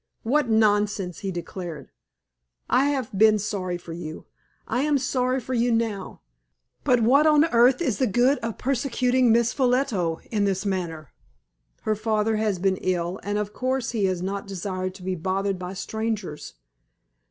"What nonsense!" he declared. "I have been sorry for you, I am sorry for you now; but what on earth is the good of persecuting Miss Ffolliot in this manner? Her father has been ill, and of course he has not desired to be bothered by strangers.